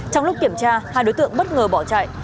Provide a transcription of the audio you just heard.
trong lúc kiểm tra hai đối tượng bất ngờ bỏ chạy